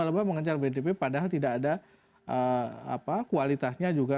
berlomba lomba mengejar wtp padahal tidak ada kualitasnya juga